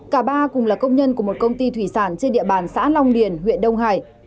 cả ba cùng là công nhân của một công ty thủy sản trên địa bàn xã long điền huyện đông hải